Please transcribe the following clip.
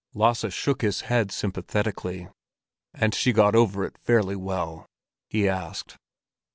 Lasse shook his head sympathetically. "And she got over it fairly well?" he asked.